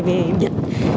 thu hoạch muối